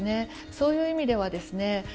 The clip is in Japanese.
そういう意味ではですね